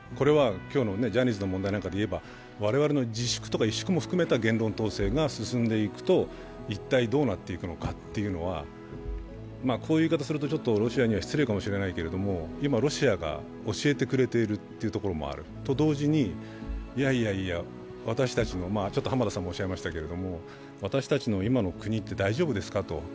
今日のジャニーズの話でいえば我々の自粛とか萎縮も含めた言論統制が進んでいくと一体どうなっていくのかっていうのはこういう言い方をするとロシアに失礼かもしれないけど、今、ロシアが教えてくれているというところもある、と同時にいやいや私たちの今の国って大丈夫ですかと。